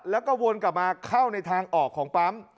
แล้วก็วนกลับมาเข้าในทางออกของปั๊ม